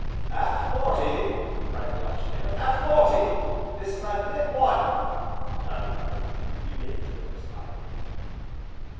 "At forty!" cried the Auctioneer, "at forty! this magnifi " "One!" nodded Bellew, beginning to fill his pipe.